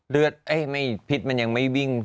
เลือดพิษมันยังไม่วิ่ง